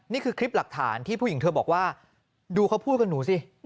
นี่คือคลิปหลักฐานที่ผู้หญิงเธอบอกว่าดูเขาพูดกับหนูสิ